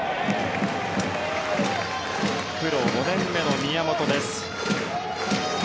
プロ５年目の宮本です。